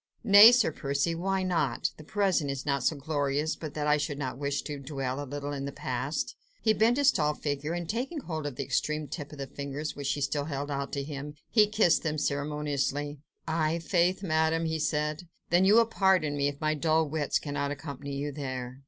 "Nay, Sir Percy, why not? the present is not so glorious but that I should not wish to dwell a little in the past." He bent his tall figure, and taking hold of the extreme tip of the fingers which she still held out to him, he kissed them ceremoniously. "I' faith, Madame," he said, "then you will pardon me, if my dull wits cannot accompany you there."